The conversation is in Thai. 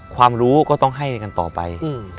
ความรู้ก็ต้องให้กันต่อไป